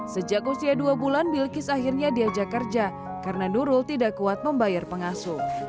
sejak usia dua bulan bilkis akhirnya diajak kerja karena nurul tidak kuat membayar pengasuh